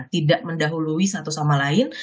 tidak mendahului satu sama lain